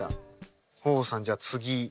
豊豊さんじゃあ次。